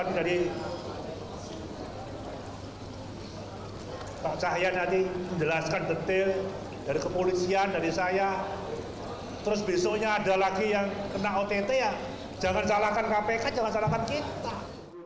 jangan salahkan kpk jangan salahkan kita